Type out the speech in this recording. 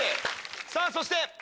さぁそして！